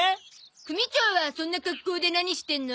組長はそんな格好で何してるの？